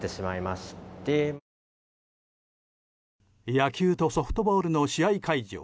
野球とソフトボールの試合会場